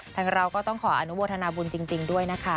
เราก็ต้องขออนุโมทนาบุญจริงด้วยนะคะ